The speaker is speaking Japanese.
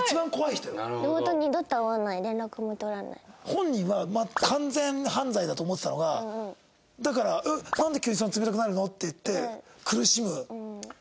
本人は完全犯罪だと思ってたのがだから「なんで急にそんな冷たくなるの？」っていって苦しむ。